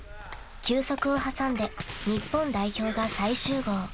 ［休息を挟んで日本代表が再集合］